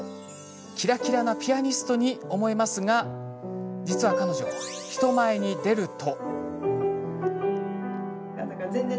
キラキラなピアニストに思えますが実は彼女、人前に出ると。